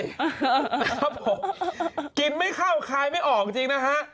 ครับผมกินไม่เข้าคายไม่ออกจริงนะฮะ